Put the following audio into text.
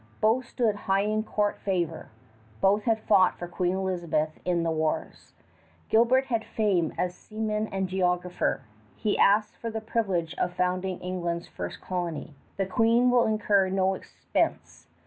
Both stood high in court favor. Both had fought for Queen Elizabeth in the wars. Gilbert had fame as seaman and geographer. He asks for the privilege of founding England's first colony. The Queen will incur no expense.